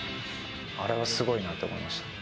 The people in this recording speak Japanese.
あれはすごいなと思いましたね。